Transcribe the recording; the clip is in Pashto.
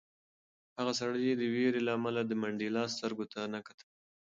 هغه سړي د وېرې له امله د منډېلا سترګو ته نه کتل.